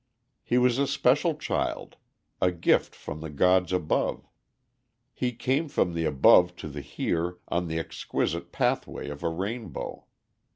He was a special child, a gift from the gods above. He came from the Above to the Here on the exquisite pathway of a rainbow.